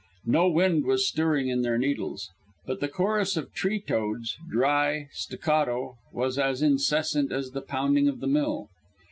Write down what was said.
No wind was stirring in their needles. But the chorus of tree toads, dry, staccato, was as incessant as the pounding of the mill.